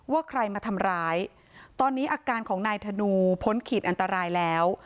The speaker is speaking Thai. ว่าใครมาทำร้ายตอนนี้อาการของนายธนูพ้นขีดอันตรายแล้ว